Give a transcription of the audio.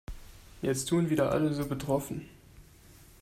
Jetzt tun wieder alle so betroffen.